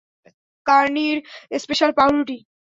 কার্নির special পাউরুটি!